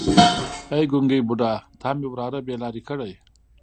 ای ګونګی بوډا تا مې وراره بې لارې کړی.